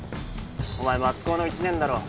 お前松高の１年だろ？